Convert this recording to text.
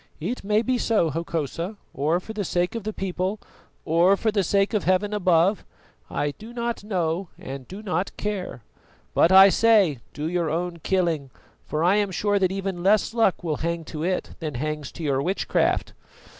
"It may be so, Hokosa, or for the sake of the people, or for the sake of Heaven above I do not know and do not care; but I say, do your own killing, for I am sure that even less luck will hang to it than hangs to your witchcraft."